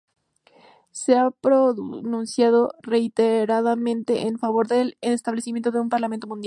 Se ha pronunciado reiteradamente en favor del establecimiento de un parlamento mundial.